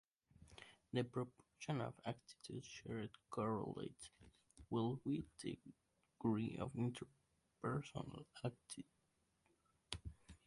The proportion of attitudes shared correlates well with the degree of interpersonal attraction.